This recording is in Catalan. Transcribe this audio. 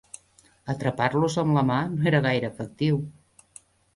Atrapar-los amb la mà no era gaire efectiu.